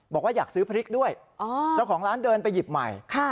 บอกว่าอยากซื้อพริกด้วยเจ้าของร้านเดินไปหยิบใหม่